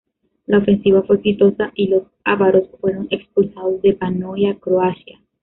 La ofensiva fue exitosa y los ávaros fueron expulsados de Panonia Croacia.